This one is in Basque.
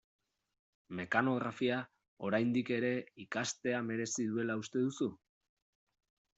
Mekanografia, oraindik ere, ikastea merezi duela uste duzu?